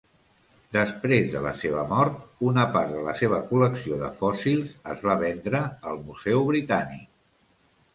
Després de la seva mort, una part de la seva col·lecció de fòssils es va vendre al Museu Britànic.